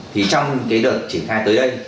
thì trong cái đợt triển khai tới đây